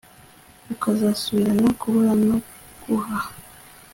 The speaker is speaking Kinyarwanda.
ukazasubirana kubona no guha